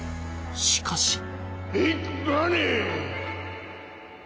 しかし。